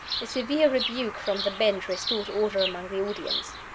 A severe rebuke from the Bench restored order among the audience.